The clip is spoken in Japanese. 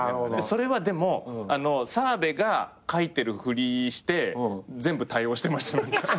それはでも澤部が書いてるふりして全部対応してました。